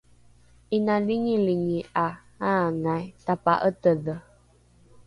’ina lingilingi ’a aangai tapa’atedhe?